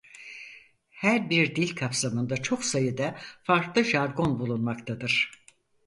Her bir dil kapsamında çok sayıda farklı jargon bulunmaktadır.